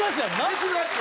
別のやつ。